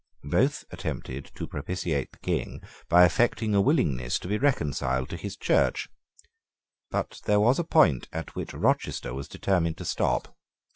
Both attempted to propitiate the King by affecting a willingness to be reconciled to his Church. But there was a point at which Rochester was determined to stop.